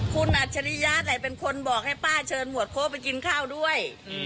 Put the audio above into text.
คุณอัจฉริยะแหละเป็นคนบอกให้ป้าเชิญหมวดโค้ไปกินข้าวด้วย